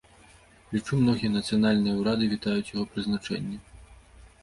Лічу, многія нацыянальныя ўрады вітаюць яго прызначэнне.